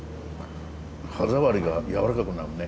歯触りがやわらかくなるね